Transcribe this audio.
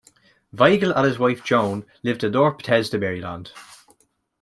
Weigel and his wife Joan live in North Bethesda, Maryland.